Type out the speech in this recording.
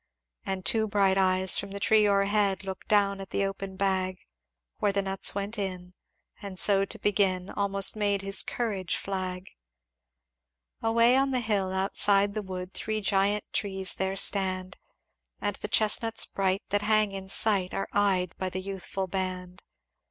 "And two bright eyes from the tree o'erhead, Looked down at the open bag Where the nuts went in and so to begin, Almost made his courage flag. "Away on the hill, outside the wood, Three giant trees there stand; And the chestnuts bright that hang in sight, Are eyed by the youthful band.